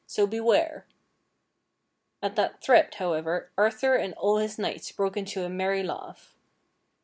So beware !" At that threat, however, Arthur and all his knights broke into a merry laugh.